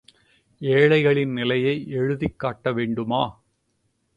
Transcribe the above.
ஏழைகளின் நிலையை எழுதிக் காட்ட வேண்டுமா?